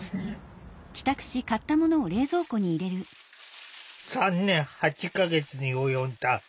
３年８か月に及んだ入院生活。